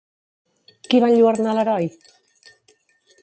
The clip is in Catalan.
Qui va enlluernar l'heroi?